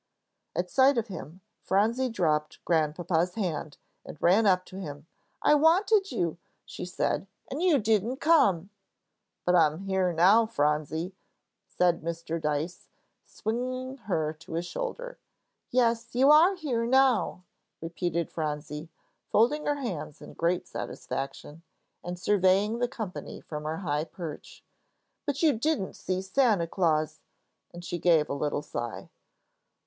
At sight of him Phronsie dropped Grandpapa's hand, and ran up to him. "I wanted you," she said, "and you didn't come." "But I'm here now, Phronsie," said Mr. Dyce, swinging her to his shoulder. "Yes, you are here now," repeated Phronsie, folding her hands in great satisfaction, and surveying the company from her high perch. "But you didn't see Santa Claus," and she gave a little sigh.